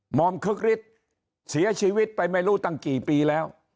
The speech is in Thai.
อมคึกฤทธิ์เสียชีวิตไปไม่รู้ตั้งกี่ปีแล้ว